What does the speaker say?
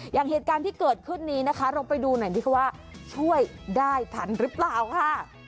อย่างเหตุการณ์ที่เกิดขึ้นนี้นะคะเราไปดูหน่อยไหมคะว่าช่วยได้ทันหรือเปล่าค่ะ